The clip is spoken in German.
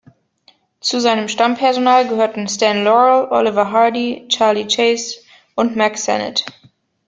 Zu seinem Stammpersonal gehörten Stan Laurel, Oliver Hardy, Charley Chase und Mack Sennett.